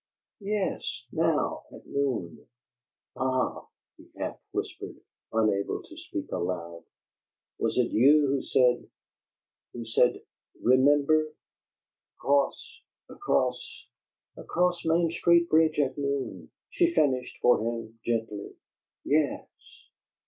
"Yes now, at noon." "Ah!" he half whispered, unable to speak aloud. "Was it you who said who said, 'Remember! Across across "' "'Across Main Street bridge at noon!'" she finished for him, gently. "Yes."